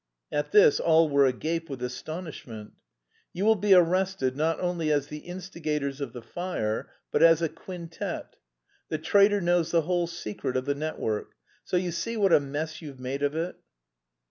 At this all were agape with astonishment. "You will be arrested not only as the instigators of the fire, but as a quintet. The traitor knows the whole secret of the network. So you see what a mess you've made of it!"